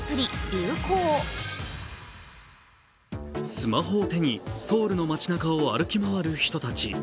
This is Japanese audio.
スマホを手にソウルの街なかを歩き回る人たち。